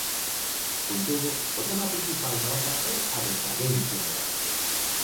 Con todo, o tema principal da obra é a decadencia moral.